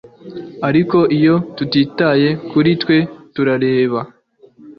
Ariko iyo tutitaye kuri twe turareba